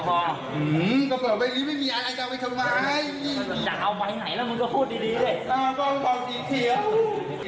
อืมกระเป๋าเบลี้ไม่มีอะไรจะไปเข้ามาให้อยากเอาไปไหนละมึงก็พูดดีด้วย